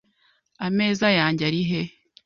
Ameza yanjye arihe?